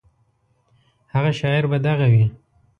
هغه شاعر به دغه وي.